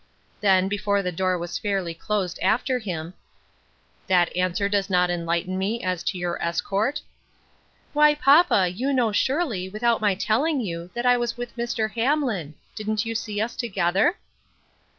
" Then, before the door was fairly closed after him, — "That answer does not enlighten me as to your escort ?" "Why, papa, you know surely, without my tell ing you, that I was with Mr. Hamlin. Didn't you see us together?"